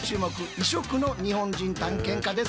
異色の日本人探検家です。